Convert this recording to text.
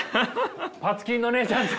パツキンのおねえちゃんと。